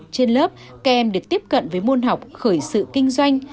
trên lớp các em được tiếp cận với môn học khởi sự kinh doanh